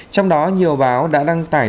trong đó nhiều báo đã đăng tải